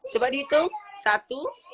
coba dihitung satu